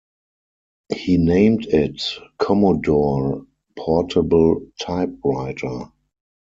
He named it Commodore Portable Typewriter.